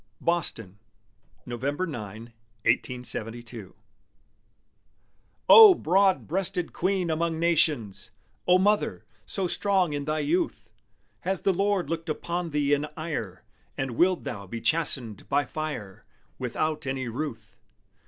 BOSTON [November 9, 1872] O broad breasted Queen among Nations! O Mother, so strong in thy youth! Has the Lord looked upon thee in ire, And willed thou be chastened by fire, Without any ruth?